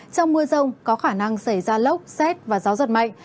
trong mưa rông có khả năng xảy ra lốc xét và gió giật mạnh